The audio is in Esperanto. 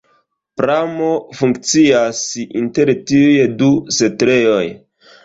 Pramo funkcias inter tiuj du setlejoj.